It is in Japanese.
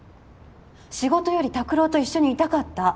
仕事より拓郎と一緒にいたかった。